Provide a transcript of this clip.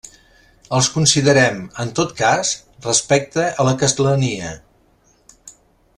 Els considerem, en tot cas, respecte a la castlania.